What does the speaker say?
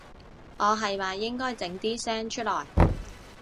我係咪應該整啲聲出來